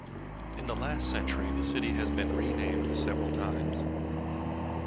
In the last century the city has been renamed several times.